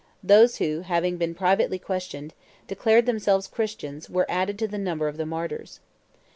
Those who, having been privately questioned, declared themselves Christians were added to the number of the martyrs.